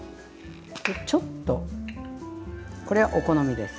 ちょっとこれはお好みです。